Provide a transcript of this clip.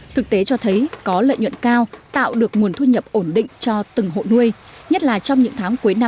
thực tế cho thấy có lợi nhuận cao tạo được nguồn thu nhập ổn định cho từng hộ nuôi nhất là trong những tháng cuối năm hai nghìn hai